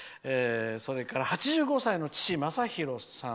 それから８５歳の父まさひろさん。